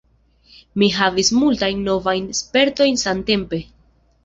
Mi havis multajn novajn spertojn samtempe.